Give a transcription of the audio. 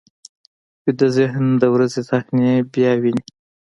ویده ذهن د ورځې صحنې بیا ویني